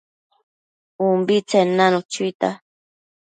ubitsen nanu chuita